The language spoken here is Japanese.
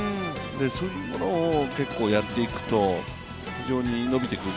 そういうものをやっていくと非常に伸びてくる。